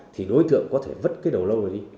thì đối tượng có thể vứt cái đầu lâu rồi đi